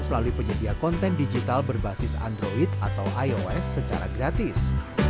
melalui penyedia konten digital berbasis android atau ios secara gratis